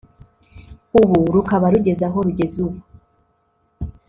ubu rukaba rugeze aho rugeze ubu